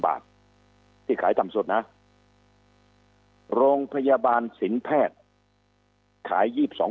บาทที่ขายต่ำสุดนะโรงพยาบาลสินแพทย์ขาย๒๒